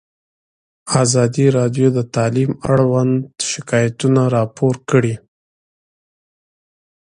ازادي راډیو د تعلیم اړوند شکایتونه راپور کړي.